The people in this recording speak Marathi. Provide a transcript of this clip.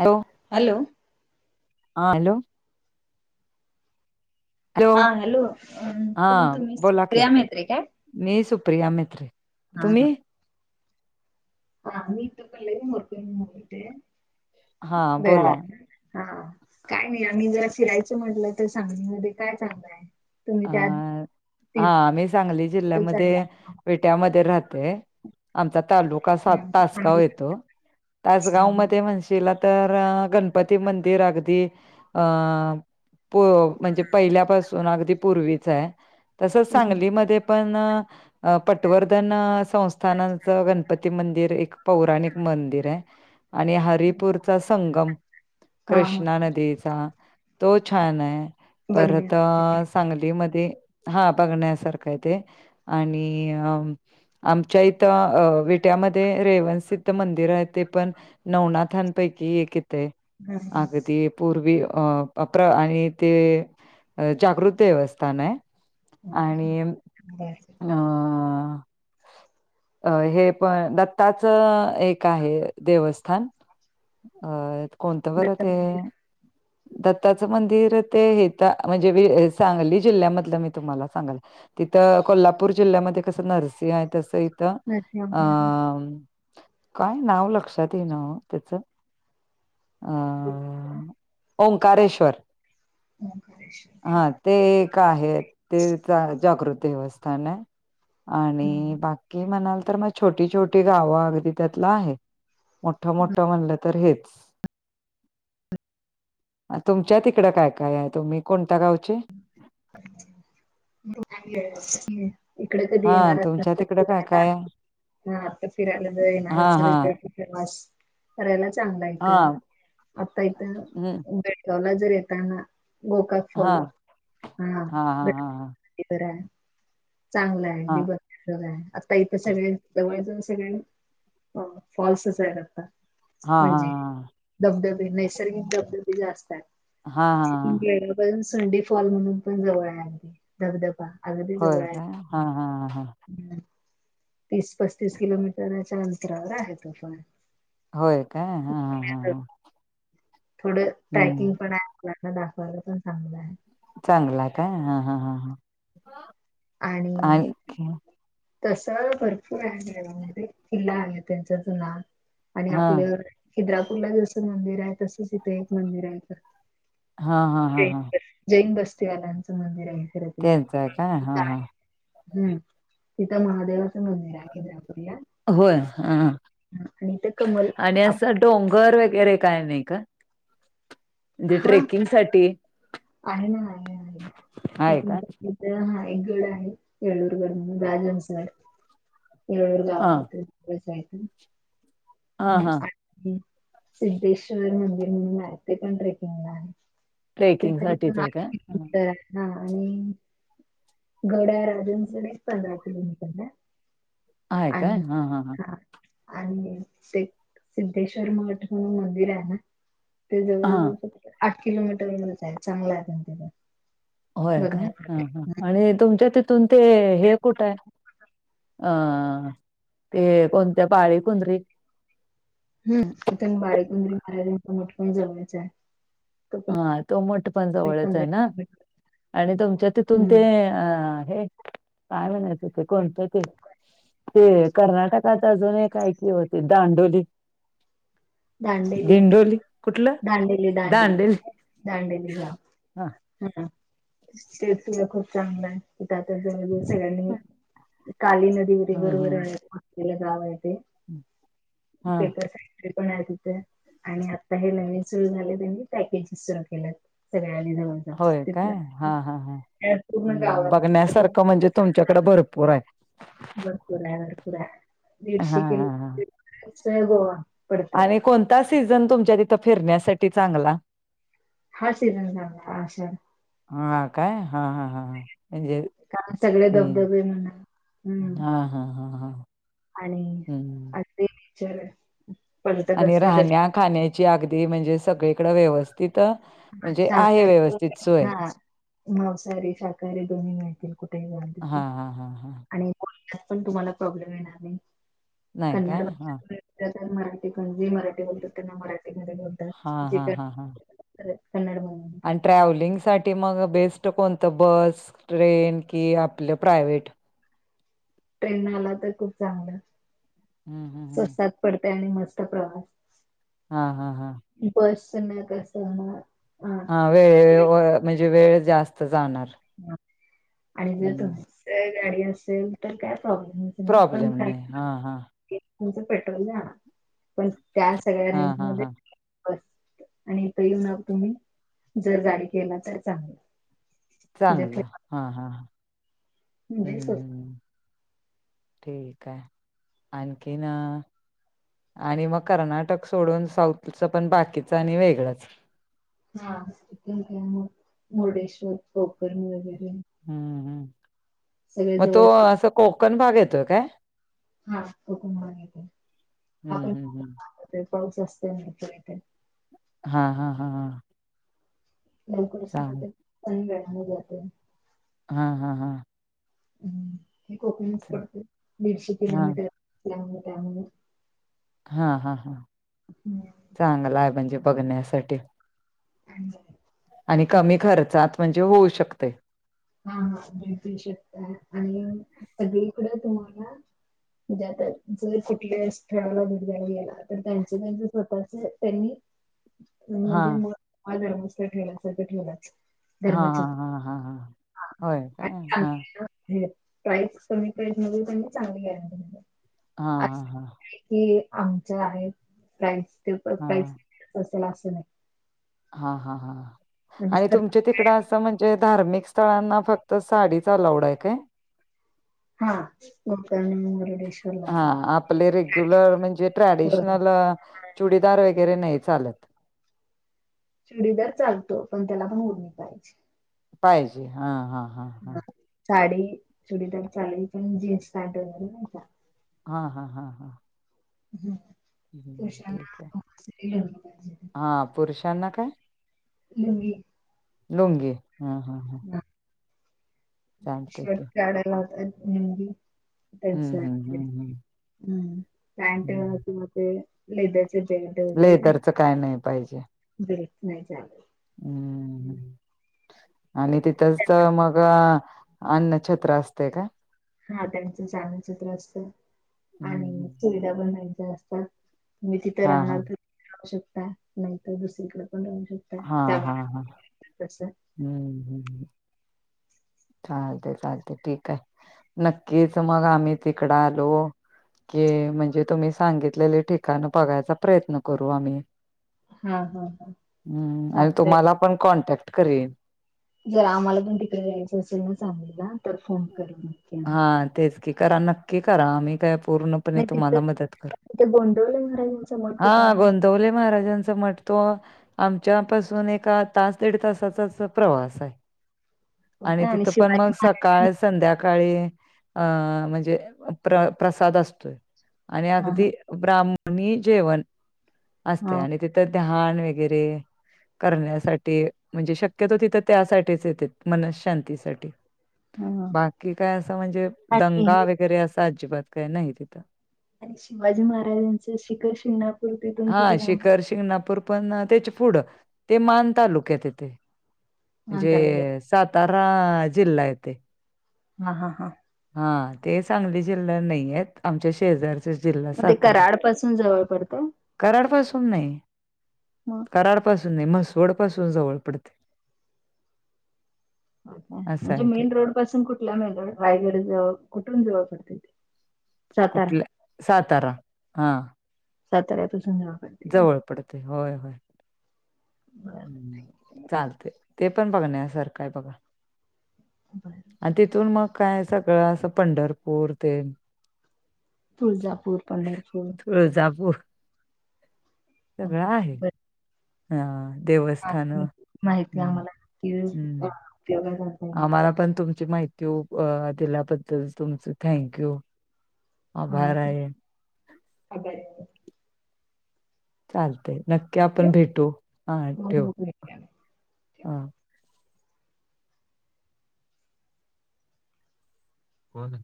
हो हॅलो हा हॅलो हा हॅलो हा कोण तुम्ही बोला की प्रिया म्हेत्रे काय? मी सुप्रिया म्हेत्रे तुम्ही? [unintelligible] हा बरं बोला हा काय नाही आम्ही जरा फिरायचं म्हटलं तर सांगलीमध्ये काय चांगलंय? तुम्ही त्यात अ हा आम्ही सांगली जिल्ह्यामध्ये विट्यामध्ये राहते आमचा तालुका का सात हा तासगाव चांगलंच. येत. हा हा. तासगाव म म्हणशीला तर गणपती मंदिर अगदी अ प म्हणजे पहिल्यापासून अगदी पूर्वीच आहे. तसंच हम्म. सांगलीमध्ये पण पटवर्धन संस्थानाच गणपती मंदिर एक पौराणिक मंदिर आहे. आणि हरिपूरचा संगम हा, हा. कृष्णा नदीचा. तो छान आहे बघण्या परत सांगलीमध्ये, हा बघण्यासारखं आहे ते आणि अ आमच्या इथं विट्यामध्ये रेवन सिद्ध मंदिर आहे ते पण नवनाथ पाठांपैकी एक येतय हा आहे अगदी पूर्वी अ प्र आणि ते जागृत देवस्थान आहे. आणि बर अं अ हे पण दत्ताचं एक आहे देवस्थान. अ कोणतं बर दत्त ते आहे मंदिर दत्ताचं मंदिर ते हिता म्हणजे सांगली जिल्ह्यामध्ये तुम्हाला सग तिथ कोल्हापूर जिल्ह्यामध्ये कस नर्सिह आहे तस अ नरसिंहवाडी हा. काय नाव लक्षात येईना ओ त्याच अ हो ओंकारेश्वर ओंकारेश्वर काय? हा ते का आहेत. ते जागृत देवस्थान आहे आणि हम्म. बाकी म्हणाल तर म छोटी छोटी गावं अगदी त्यातलं आहे मोठ मोठं म्हणलं तर हेच. [inaudible] तुमच्या तिकडं काय काय आहे तुम्ही कोणत्या गावचे? [unintelligible] इकडे कधी हा येणार असाल तुमच्या तर तिकडं काय फिरायला काय हा आता फिरायला ज येणार हा असाल हा इडे प्रवाश करायला चांगला हा यथं आता इथंे. हम्म एवला जर येताना गोका हा. हा. चांगला आहे हा दिबत आहे आता इथ सगळे जवळज सगळे फॉल्सच आहे आता हा म्हणजे धबधबे नैसर्गिक धबधबे जास्त आहेत. हा हा हा हा पण संडी फॉल म्हणून पण जवळ आहे अगदी धबधबा अगदी जवळ होय आहे. काय हा हा हा हा तीस पस्तीस किलोमीटरच्या अंतरावर आहे तो पण होय काय हा हा. थोडं ट्रॅकिंग हम्म पण आहे आपना दाखवायला पण चांगलं आहे. चांगला का हा ह ह ह. आणि तस भरपूर आहे गमध्ये किल्ला आहे त्यांचच ना आणि हा आपलं. हिद्रापूरला जस मंदिर आहे तसच इथे एक मंदिर आहे हा हा हा तर हा जैन बस्तीवाल्यांचं मंदिर आहे खरं ते ते काय हा हा. हम् तिथं महादेवाचं मंदिर आहे केद्रापूरला होय कमल आप- आणि डोंगर वगैरे काय नाही का म्हणजे हा ट्रेकिंग साठी आहे ना आहे आहे एक हा एक गड आहे येळूरगड म्हण राजनसर येळूर हा गावाात बसयत हा हम्. हा सिद्धेश्वर मंदिर म्हणून आहे ते पण ट्रेकिंगला आहे. ते ट्रेकिंग साठीच आहे काय हां. हा आणि गड्या राजंचच पंधरा किलोमीटरला आहे काय आणि हा हा. आणि ते सिद्धेश्वर मठ म्हणून मंदिर आहे ना ते हा जवळजवळ आठ किलोमीटरच आहे चांगलं आहे पण तिथं. होय काय ह ह आणि तुमच्या तिथून ते हे कुठ आहे. अ ते कोणत्या पाळी कुंदरी हम् इथ बारीकंदरी महाराजांच मोटकण जमवायचं आहे. तो पण हा तो मोठ पण एक जवळच पंधरा आहे ना. किलोमीटर आणि तुमच्या तिथून ते हम्म अ हे काय म्हणायचं ते कोणतं ते ते कर्नाटकात अजून काय कि होते दांडोली दांडेली भिंडोली कुठलं दांडेली दांडेली दांडली? दांडेली घा ह स खूप चांगलं आहे. इथता ज सगळ्यांनी काली नदीवर हं, बरोबर हं. आहे. गाव आहे ते हं. हां, पेपर पण आहे तिथे आणि आता हे नवीन सुरू झाले त्यांनी पॅकेजेस सुरू केले सगळ्यांनी जाऊन होय काय हा हा पूर्ण ह् गावात बघण्यासारखं म्हणजे तुमच्याकडें भरपूर आहे. भरपूर आहे भरपूर आहे हां, दीडशे किलो हां, हां. आहे गोवा पडतोय आणि कोणता सीझन तुमच्यात इथं फिरण्यासाठी चांगला हा सीझन सांगता अशा. हा काय हा हा हा. हेज कारण सगळे हम्म धबधबे म्हणा हम्म हा हा हा हा. आणि हम्म. तेीचर आणि राहण्या खाण्याची अगदी म्हणजे सगळीकडे व्यवस्थित हा म्हणजे आहे शाकाहारी व्यवस्थित सोय हा मांसाहारी शाकाहारी दोन्ही मिळतील कुठेही जा तिथं हां, हां, हां, हां. आणि पण तुम्हाला प्रॉब्लेम येणार नाही नाही काय? कन्नड हां, भाषेक मराठी पण जी मराठी बोलतात त्यांना मराठीमध्ये बोलतात हां, जे हां, हां, हां. अ कनड मम आणि ट्रॅव्हलिंगसाठी मग बेस्ट कोणतं बस ट्रेन की आपलं प्रायवे्ट ट्रेनड आला तर खूप चांगला हम हम हम प्रसाद पडते आणि मस्त प्रवास हा हा हा बस ना कसंणार हा वेळे म्हणजे वेळ जास्त जाणार आणि जर हं. तुमच गाडी असेल तर काय प्रॉब्लेम हो पण प्रॉब्लेम नाही. हां, हां. चं पेट्रल ना पण त्या हा सगळ्यां हा मध्ये हा ब आणि इथं येऊ न तुम्ही जर गाडी केला तर चांगली चांगलं हा हा म्हणजे हम्मम्म स्वस्त हम्म ठीक आहे आणखीन आणि मग कर्नाटक सोडून साऊथच पण बाकीचं आणि वेगळंच हा तथ का मुर्डेश्वर कोोकर्ण वगैरे हम्मम् सगळे मग जवळ तो असं कोकण भाग येतोय काय हा कुकुमग येते हा हम्म हम्म हम् पण पाऊस असत नाही तर इथे हा हा हा हां लवकरशी वेळाला जाते हा हा हां ह कोपडत दीडशे हा को हा हा हा ह चांगला आहे म्हणजे बघण्यासाठी ह आणि कमी खर्चात म्हणजे होऊ शकते हा हा भेळटू शकता आणि सगळीकडं तुम्हाला म्हणजे आता जर कुठल्या स्थळाला भिडघाला गेला तर त्यांच त्यांच स्वतःच त्यांनी हा म्हणजे म आजार नसत ठेवला सारळं ठेवलाच हा हा धर्मछत्र हा हा हा होय काय आणि हा प्राईस कमी प्रज पण चांगली गॅरंटी हा हा हा कि आमच्या आहे प्रास ते हा प्राईस असल असं नाही हा हा हा म्हणजे आणि सर्व तुमच्या तिकड म्हणजे धार्मिक स्थळांना फक्त साडी चालवड आहे काय हा गुरकर मुरडे हा आपले रेग्युलर म्हणजे बरोबर ट्रॅडिशनल चुडीदार वगैरे नाही चालत चिडीदार चालतो पण त्याला भा उणी करायची पाहिजे हा हा हा हा साडी सुुडीदार चालली पण जीन्स स्टवणार हा हा हा हा ह ठीक पुरुषांना आहे. ललं पाहिजे हा पुरुषांना काय लंगंगी लुंगंगी हा हां ह शवट की काढायलातात मंदी हम्म हम्म हम्म हम् पॅंट हम्म म लेदर्स बड वगैरे नाही लेदरच काय नाही पाहिजे बत नाही झाले. हम्म आणि तिथच मग अन्नछत्र असते का? हा त्यांचं छाानचित्र असत आणि हम्म सुरता बनचे असतात. तुम्ही तिथं हा राहणार हा तर राहू शकता नाहीतर दुसरीकडे पण राहू शकता. हा हा त्यामुळे हा तस हम्म हम्म. चालते चालते ठीक आहे नक्कीच मग आम्ही तिकडं आलो. क म्हणजे तुम्ही सांगितलेले ठिकाण बघायचा प्रयत्न करू आम्ही हा हा हा हम् आणि चालतय तुम्हाला पण कॉन्टॅक्ट करेन. जर आम्हाला पण तिकडे जायचं असेल ना सांगल ना तर फोन करू म हा तेच की करा नक्की करा आम्ही काय पूर्ण नाही तिथं तुम्हाला मदत कर तिथे गोंडवले महाराजांचा मठ हा कुठे आहे मग? गोवले महाराजांच म्हट. तो आमच्यापासून एका तास दड तासाचाच प्रवास आहे. ओके. आणि तिथं पण मग शिवाजी स महाराज काळ संध्याकाळी अ म्हणजे प्र प्रसाद असतोय. आणि हा हा अगदी ब्राह्मणी जेवण असते हा आणि तिथं ध्यान वग वगैरे करण्यासाठी म्हणजे शक्यतो तिथं त्यासाठीच येते मन शांतीसाठी हा हा. कि काय असं म्हणजे आणि दंगा हे वगैरे असं अजिबात काय नाही तिथं. आणि शिवाजी महाराजांचं शिखर शणापूरतीथून कितीलाम आहे. िंगणापूर पण त्याच पुढं ते मान तालुक आहे तिथे अंतरला गेल म्हणजे सातारा जिल येते. हा हा हा. हा ते सांगली जिल्ह्या नाहीय आमच्या शेजार जिल्हा मग ते सातारा कराड पासून जवळ पडतं कराड पासून नाही. मग कराड पाासून नाही म्हसवड पासून जवळ पडते. असं म्हणजे आहे ते मेन रोड पासून कुठला मेन रोड रायगड जव कुठून जवळ पडतथे कुठल्या सातारा हा. सतर तुसून जा. जवळ पडते होय होय बर ह् चालते. ते पण बघण्या सारखंय बघा. बरर. आणि तिथून मग काय सगळं अस पंढरपूर ते तुळजापूर पंढरपूर अ जाऊ. सगळं आहे. बर हा देवस्थान हम्म हम्म. उपयोगा जात. आम्हाला पण तुमची माहिती दिल्याबद्दल तुमच थँंक्यू. हा खबर. चालतय नक्की आपण भेटू हा ठेव हा. कोण?